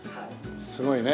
すごいね。